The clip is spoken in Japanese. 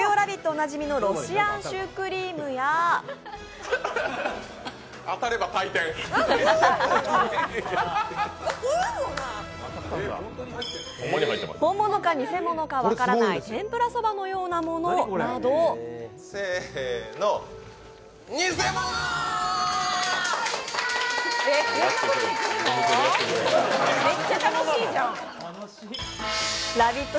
おなじみのロシアンシュークリームや本物か偽物かわからない、天ぷらそばのようなモノなど「ラヴィット！」